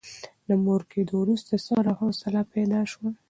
د مور کېدو وروسته صبر او حوصله پیدا شوه.